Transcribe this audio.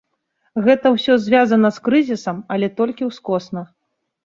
Гэта ўсё звязана з крызісам, але толькі ўскосна.